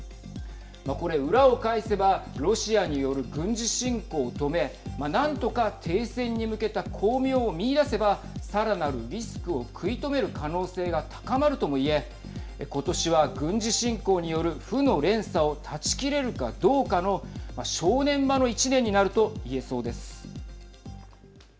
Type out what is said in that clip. これ、裏を返せばロシアによる軍事侵攻を止め何とか停戦に向けた光明を見いだせばさらなるリスクを食い止める可能性が高まるとも言え今年は軍事侵攻による負の連鎖を断ち切れるかどうかの正念場の１年になると言えそうです。